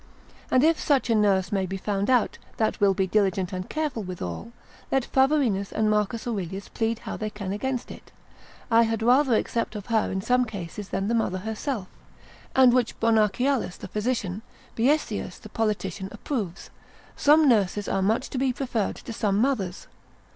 And if such a nurse may be found out, that will be diligent and careful withal, let Phavorinus and M. Aurelius plead how they can against it, I had rather accept of her in some cases than the mother herself, and which Bonacialus the physician, Nic. Biesius the politician, lib. 4. de repub. cap. 8. approves, Some nurses are much to be preferred to some mothers.